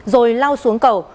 rồi lao xuống cầu